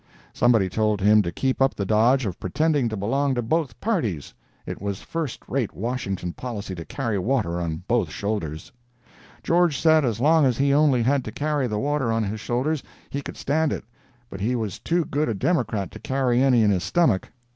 Somebody told him to keep up the dodge of pretending to belong to both parties—it was first rate Washington policy to carry water on both shoulders. George said as long as he only had to carry the water on his shoulders, he could stand it, but he was too good a Democrat to carry any in his stomach!